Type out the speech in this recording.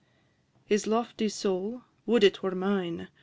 II. His lofty soul (would it were mine!)